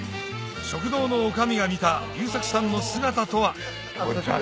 食堂の女将が見た優作さんの姿とは？